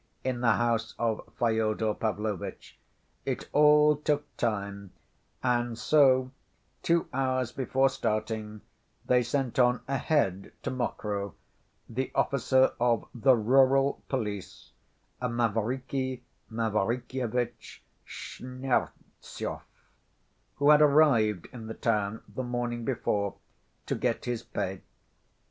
in the house of Fyodor Pavlovitch. It all took time and so, two hours before starting, they sent on ahead to Mokroe the officer of the rural police, Mavriky Mavrikyevitch Schmertsov, who had arrived in the town the morning before to get his pay.